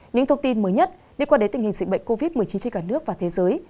những thông tin mới nhất liên quan đến tình hình dịch bệnh covid một mươi chín trên cả nước và thế giới